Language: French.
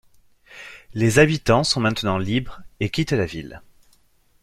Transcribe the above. Les habitants sont maintenant libres et quittent la ville.